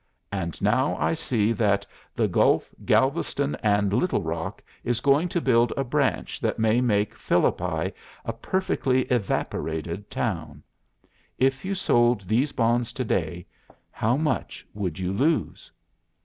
And now I see that the Gulf, Galveston, and Little Rock is going to build a branch that may make Philippi a perfectly evaporated town. If you sold these bonds to day, how much would you lose?